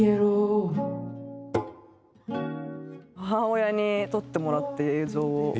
母親に撮ってもらって映像を。